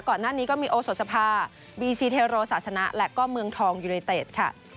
ก่อนหน้านี้ก็มีโอโสสภาบีซีเทโรศาสนะและก็เมืองทองยูเนเต็ดค่ะ